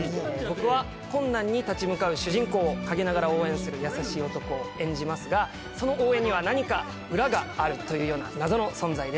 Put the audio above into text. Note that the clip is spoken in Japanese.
僕は困難に立ち向かう主人公を陰ながら応援する優しい男を演じますがその応援には何か裏があるというような謎の存在です。